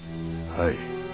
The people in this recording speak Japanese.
はい。